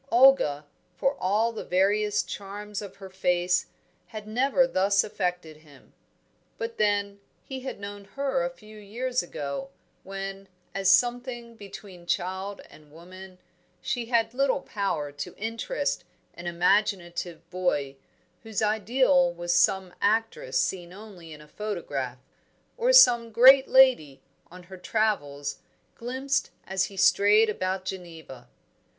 Olga, for all the various charms of her face, had never thus affected him. But then, he had known her a few years ago, when, as something between child and woman, she had little power to interest an imaginative boy, whose ideal was some actress seen only in a photograph, or some great lady on her travels glimpsed as he strayed about Geneva.